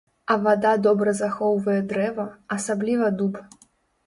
А вада добра захоўвае дрэва, асабліва дуб.